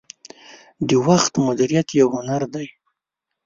• د وخت مدیریت یو هنر دی.